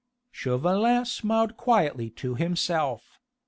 Chauvelin smiled quietly to himself.